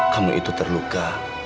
kamu itu terluka